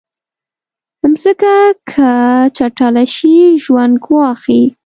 مځکه که چټله شي، ژوند ګواښي.